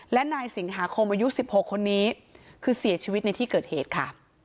และนายสิงหาคมอายุ๑๖คนนี้คือเสียชีวิตในที่เกิดเหตุค่ะ